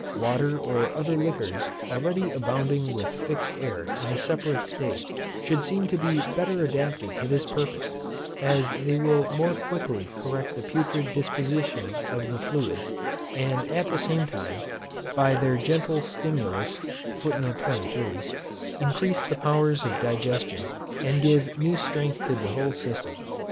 Water or other liquors, already abounding with fixed air in a separate state, should seem to be better adapted to this purpose; as they will more quickly correct the putrid disposition of the fluids, and at the same time, by their gentle stimulus increase the powers of digestion, and give new strength to the whole system.